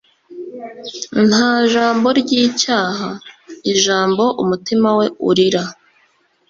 nta jambo ryicyaha, ijambo umutima we urira